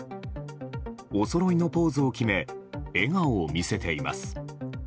おそろいのポーズを決め笑顔を見せています。